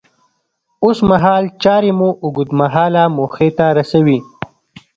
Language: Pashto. اوسمهال چارې مو اوږد مهاله موخې ته رسوي.